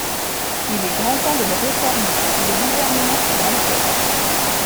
Il est grand temps de le réformer et le Gouvernement s’y emploie.